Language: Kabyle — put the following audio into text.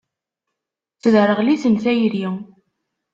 Tesderɣel-iten tayri.